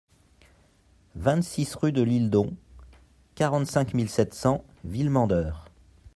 vingt-six rue de Lisledon, quarante-cinq mille sept cents Villemandeur